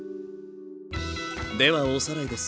ではおさらいです。